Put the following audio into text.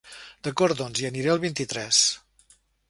D'acord doncs hi aniré el vint-i-tres.